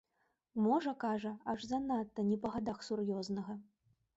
Можа, кажа, аж занадта, не па гадах сур'ёзнага.